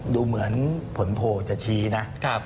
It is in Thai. ดูเหมือนผลโพลจะชี้นะ